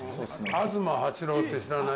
東八郎って知らない？